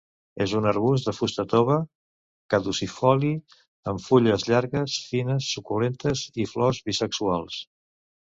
És un arbust de fusta tova, caducifoli amb fulles llargues, fines, suculentes i flors bisexuals.